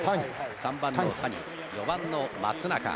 ３番の谷４番の松中。